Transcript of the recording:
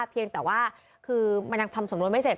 เพียงแต่ว่าคือมันยังทำสำนวนไม่เสร็จ